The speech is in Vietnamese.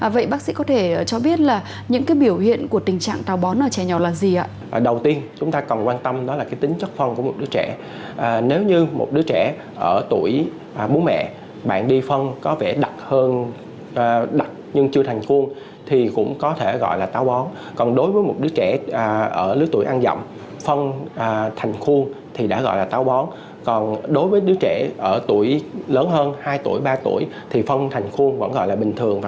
vậy bác sĩ có thể cho biết những biểu hiện của tình trạng tàu bón ở trẻ nhỏ là gì